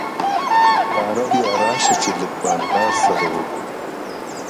باره بيا راسه چي لږ بانډار سره وکو.